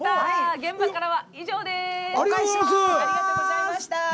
現場からは以上です！